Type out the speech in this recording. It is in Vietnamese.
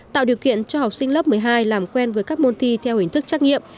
tạo điều kiện cho học sinh lớp một mươi hai làm quen với các môn thi theo hình thức trắc nghiệm